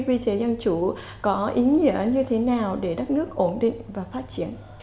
quy chế dân chủ có ý nghĩa như thế nào để đất nước ổn định và phát triển